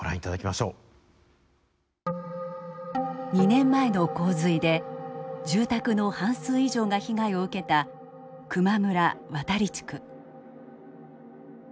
２年前の洪水で住宅の半数以上が被害を受けた球磨村渡地区。